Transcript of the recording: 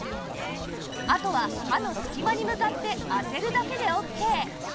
あとは歯の隙間に向かって当てるだけでオーケー